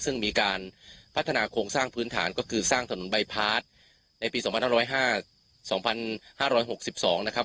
ซึ่งมีการพัฒนาโครงสร้างพื้นฐานก็คือสร้างถนนบายพาร์ทในปี๒๕๖๒นะครับ